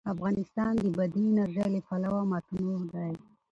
افغانستان د بادي انرژي له پلوه متنوع دی.